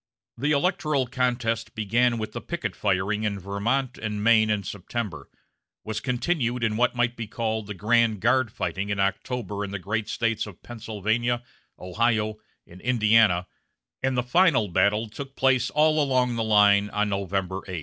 The electoral contest began with the picket firing in Vermont and Maine in September, was continued in what might be called the grand guard fighting in October in the great States of Pennsylvania, Ohio, and Indiana, and the final battle took place all along the line on November 8.